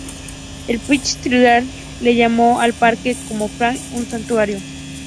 El pitcher titular Bill Lee llamó al parque Fenway "un santuario".